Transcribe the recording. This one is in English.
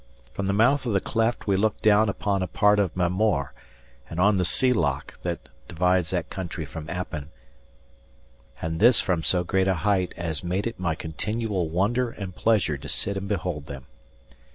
From the mouth of the cleft we looked down upon a part of Mamore, and on the sea loch that divides that country from Appin; and this from so great a height as made it my continual wonder and pleasure to sit and behold them.